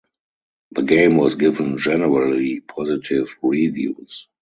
The game was given generally positive reviews.